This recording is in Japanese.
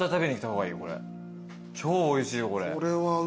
超おいしいよこれ。